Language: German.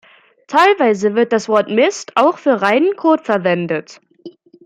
Teilweise wird das Wort Mist auch für reinen Kot verwendet.